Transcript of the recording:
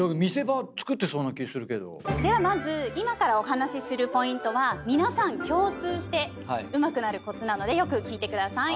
ではまず今からお話しするポイントは皆さん共通してうまくなるコツなのでよく聞いてください。